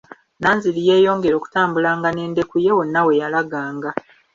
Nanziri yeeyongera okutambulanga n'endeku ye wonna we yalaganga.